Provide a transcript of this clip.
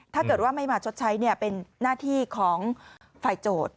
ถ้าเกิดว่าไม่มาชดใช้เป็นหน้าที่ของฝ่ายโจทย์